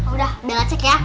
udah bella cek ya